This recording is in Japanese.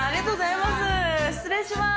失礼します。